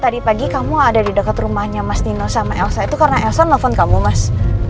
tadi pagi kamu ada di dekat rumahnya mas dino sama elsa itu karena elsa nelfon kamu mas